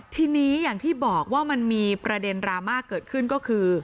ทีนี้อย่างที่บอกว่ามันมีประเด็นดราม่าเกิดขึ้นก็คือ